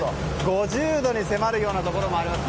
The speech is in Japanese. ５０度に迫るようなところもあります。